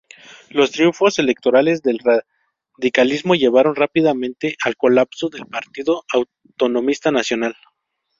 Los triunfos electorales del radicalismo llevaron rápidamente al colapso del Partido Autonomista Nacional.